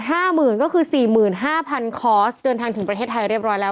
๔๕หมื่นก็คือ๔๕๐๐๐คอร์สเดินทางถึงประเทศไทยเรียบร้อยแล้ว